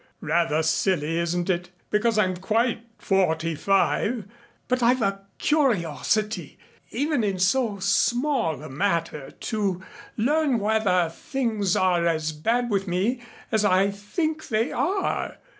Rather silly, isn't it, because I'm quite forty five. But I've a curiosity, even in so small a matter, to learn whether things are as bad with me as I think they are.